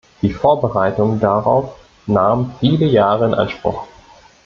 Die Vorbereitungen darauf nahmen viele Jahre in Anspruch.